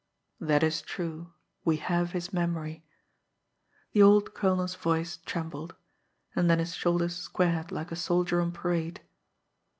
"That is true we have his memory." The old colonel's voice trembled. And then his shoulders squared like a soldier on parade.